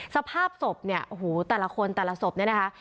สภาพศพเนี่ยโอ้โหแต่ละคนแต่ละศพเนี่ยนะคะ